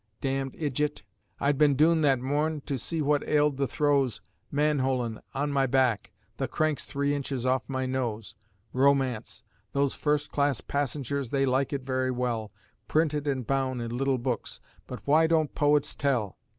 Damned ijjit! I'd been doon that morn to see what ailed the throws, Manholin', on my back the cranks three inches off my nose. Romance! Those first class passengers they like it very well, Printed an' bound in little books; but why don't poets tell?